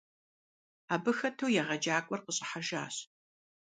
Абы хэту егъэджакӏуэр къыщӀыхьэжащ.